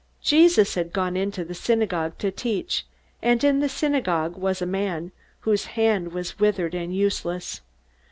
Jesus had gone into the synagogue to teach, and in the synagogue was a man whose hand was withered and useless.